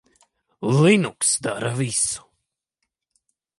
Linux dara visu.